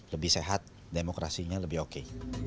lebih sehat demokrasinya lebih oke